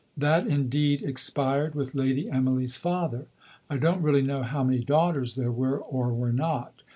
That, indeed, expired with Lady Emily's father. I don't really know how many daughters there were, or were not.